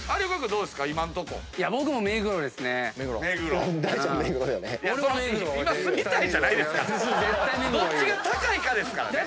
どっちが高いかですからね。